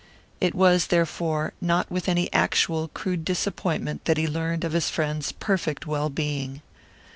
It was, therefore, not with any actual, crude disappointment that he learned of his friend's perfect well being.